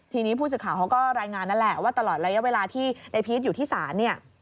ทีนี้ผู้สื่อข่าวเขาก็รายงานนั่นแหละว่าตลอดระยะเวลาที่ในพีชอยู่ที่ศาลเนี่ย